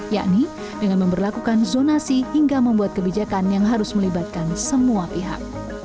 yakni dengan memperlakukan zonasi hingga membuat kebijakan yang harus melibatkan semua pihak